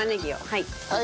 はい。